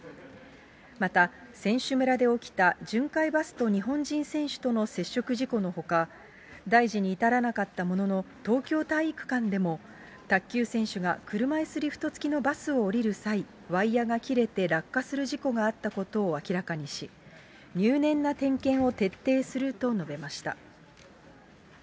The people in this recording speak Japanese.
また、選手村で起きた巡回バスと日本人選手との接触事故のほか、大事に至らなかったものの、東京体育館でも、卓球選手が車いすリフト付きのバスを降りる際、ワイヤが切れて落下する事故があったことを明らかにし、入念な点検を徹底すると述べました。